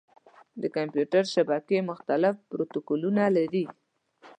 د کمپیوټر شبکې مختلف پروتوکولونه لري.